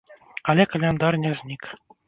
Але каляндар не знік.